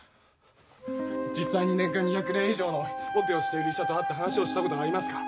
実際年間２００例以上のオペをしている医者と会って話をしたことがありますか？